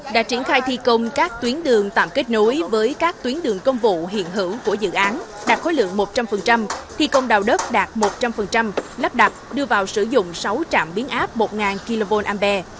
đã triển khai thi công các tuyến đường tạm kết nối với các tuyến đường công vụ hiện hữu của dự án đạt khối lượng một trăm linh thi công đào đất đạt một trăm linh lắp đặt đưa vào sử dụng sáu trạm biến áp một kva